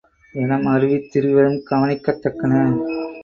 என மருவித் திரிவதும், கவனிக்கத்தக்கன.